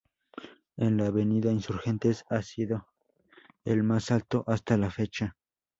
En la Avenida Insurgentes ha sido el más alto hasta la fecha.